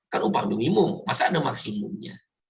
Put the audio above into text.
kan upah minimum masa ada maksimumnya